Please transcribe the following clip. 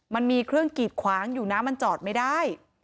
มันมีเครื่องกีดขวางอยู่นะมันจอดไม่ได้